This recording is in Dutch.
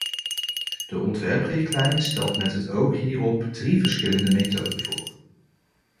De ontwerprichtlijn stelt met het oog hierop drie verschillende methoden voor.